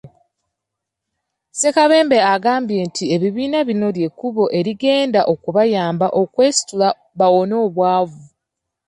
Ssekabembe agambye nti ebibiina bino ly'ekkubo erigenda okubayamba okwesitula bawone obwavu.